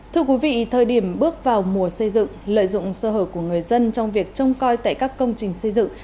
thưa quý vị thời điểm bước vào mùa xây dựng lợi dụng sơ hở của người dân trong việc trông coi tại các công trình xây dựng